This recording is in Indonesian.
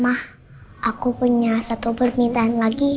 ah aku punya satu permintaan lagi